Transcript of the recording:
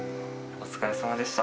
お疲れさまでした。